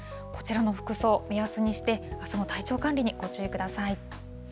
こちらの服装、目安にして、あすも体調管理にご注意ください。